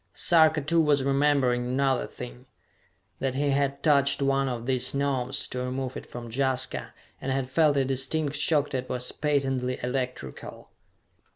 Sarka, too, was remembering another thing: that he had touched one of these Gnomes, to remove it from Jaska and had felt a distinct shock that was patently electrical!